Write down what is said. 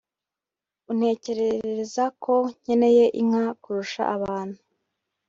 Untekerereza ko nkeneye inka kurusha abantu